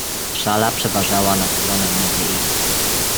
"Szala przeważała na stronę nadziei."